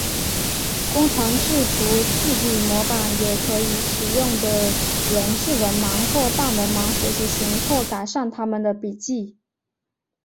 工程制图字体模板也可以使用的人是文盲或半文盲学习型或改善他们的笔迹。